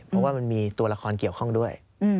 เพราะว่ามันมีตัวละครเกี่ยวข้องด้วย